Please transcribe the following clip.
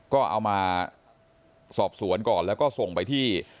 ก็เอามาสอบสวนก่อนแล้วก็ส่งไปที่